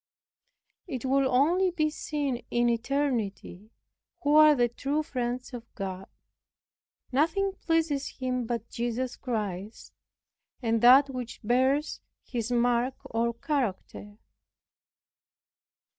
It will only be seen in eternity who are the true friends of God. Nothing pleases Him but Jesus Christ, and that which bears His mark or character.